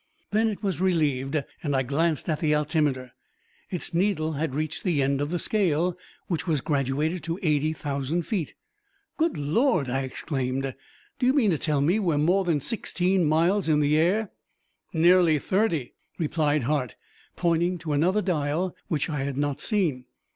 Then it was relieved, and I glanced at the altimeter. Its needle had reached the end of the scale, which was graduated to eighty thousand feet! "Good Lord!" I exclaimed. "Do you mean to tell me that we are more than sixteen miles in the air?" "Nearly thirty," replied Hart, pointing to another dial which I had not seen.